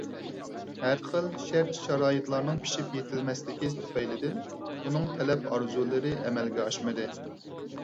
ھەر خىل شەرت-شارائىتلارنىڭ پىشىپ يېتىلمەسلىكى تۈپەيلىدىن ئۇنىڭ تەلەپ-ئارزۇلىرى ئەمەلگە ئاشمىدى.